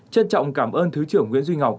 chân trọng cảm ơn thứ trưởng nguyễn duy ngọc